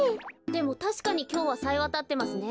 でもたしかにきょうはさえわたってますね。